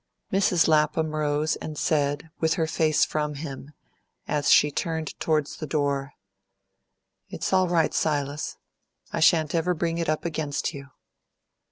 Mrs. Lapham rose and said, with her face from him, as she turned towards the door, "It's all right, Silas. I shan't ever bring it up against you."